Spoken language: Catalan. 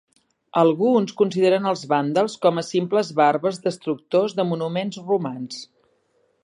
Alguns consideren els vàndals com a simples bàrbars destructors de monuments romans.